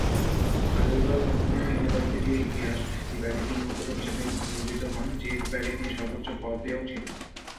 আলিগড় মুসলিম ইউনিভার্সিটির ইতিহাস বিভাগে তিনি অধ্যাপক হিসেবে নিয়োজিত হন, যে বিভাগে তিনি সর্বোচ্চ পদেও ছিলেন।